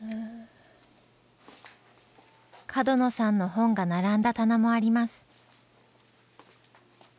角野さんの本が並んだ棚もあります。